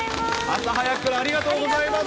朝早くからありがとうございます。